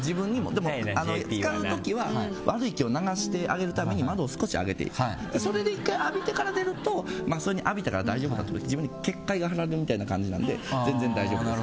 でも、使う時は悪い気を流してあげるために窓を少し開けてそれで１回浴びてから出るとそれ浴びたら大丈夫だって自分に結界が張られるみたいな感じなんで、全然大丈夫です。